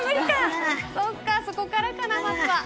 そっか、そこからかなまずは。